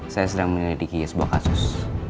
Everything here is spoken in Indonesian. saya sedang menyelidiki sebuah kasus